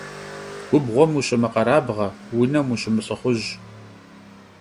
Gubğuem vuşımıkherabğe, vunem vuşımılh'ıxhuj.